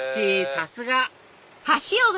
さすが！